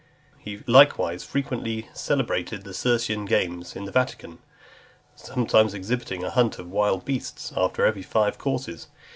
He likewise frequently celebrated the Circensian games in the Vatican , sometimes exhibiting a hunt of wild beasts, after every five courses.